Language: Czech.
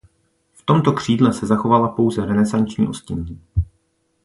V tomto křídle se zachovala pouze renesanční ostění.